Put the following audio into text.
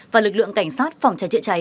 và lực lượng cảnh sát phòng trái trễ trái